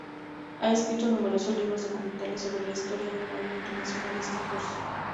Ha escrito numerosos libros documentales sobre la historia del movimiento nacionalista corso.